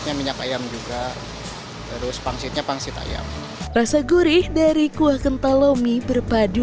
minyak ayam juga terus pangsitnya pangsit ayam rasa gurih dari kuah kental lomi berpadu